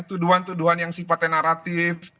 tuduhan tuduhan yang sifatnya naratif